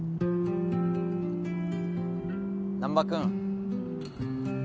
難破君